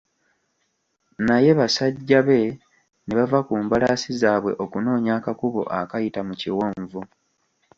Naye basajja be ne bava ku mbalaasi zaabwe okunoonya akakubo akayita mu kiwonvu.